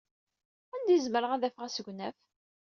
Anda ay zemreɣ ad afeɣ asegnaf?